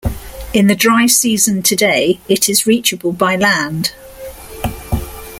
In the dry season today, it is reachable by land.